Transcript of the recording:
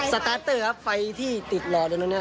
สตาร์เตอร์ครับไฟที่ติดแหลดตรงนี้